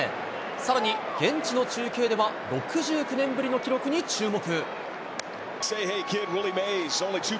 さらに現地の中継では、６９年ぶりの記録に注目。